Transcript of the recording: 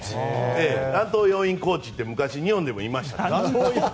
乱闘要員コーチって昔、日本でもいました。